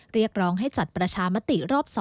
เรียกร้องให้จัดประชามติรอบ๒